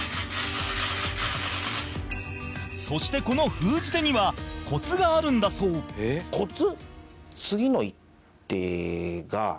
そして、この封じ手にはコツがあるんだそう山崎：コツ？